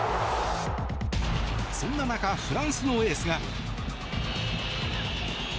そんな中フランスのエースが。